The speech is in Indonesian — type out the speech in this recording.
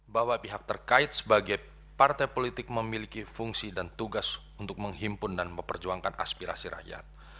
bahwa pihak terkait sebagai partai politik memiliki fungsi dan tugas untuk menghimpun dan memperjuangkan aspirasi rakyat